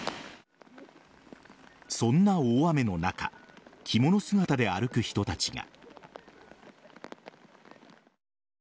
そんな大雨の中着物姿で歩く人たちが。